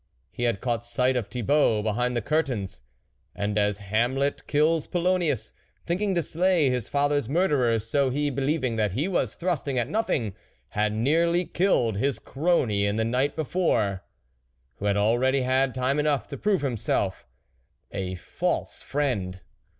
" He had caught sight of Thi bault behind the curtains, and as Hamlet kills Polonius, thinking to slay his father's murderer, so he, believing that he was thrusting at nothing, had nearly killed his crony of the night before, who had already had time enough to prove himself a false friend.